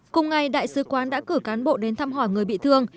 cùng ngày đại sứ quán đã cử cán bộ đến thăm hỏi người bị thương